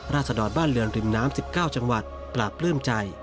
ราศดอดบ้านเลือกริมน้ำ๑๙จังหวัดคลาบพลื่นใจ